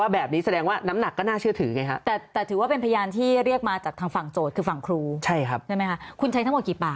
อะไรยังไงไปตั้งข้อสังเกต